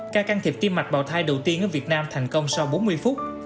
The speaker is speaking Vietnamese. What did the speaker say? ca can thiệp tim mạch bào thai đầu tiên ở việt nam thành công sau bốn mươi phút